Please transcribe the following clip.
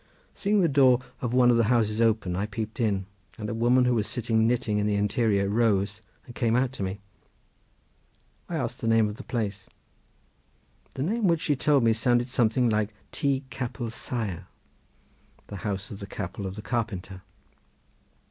Seeing the door of one of the houses open I peeped in, and a woman who was sitting knitting in the interior rose and came out to me. I asked the name of the place. The name which she told me sounded something like Tŷ Capel Saer—the House of the Chapel of the Carpenter.